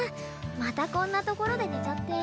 またこんなところで寝ちゃって。